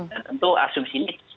dan tentu asumsi ini perlu disesuaikan